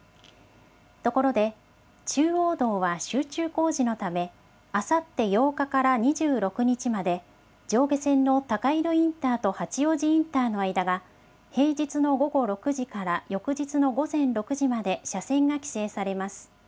ところで中央道は集中工事のため、あさって８日から２６日まで、上下線の高井戸インターと八王子インターの間が平日の午後６時から翌日の午前６時まで車線が規制されます。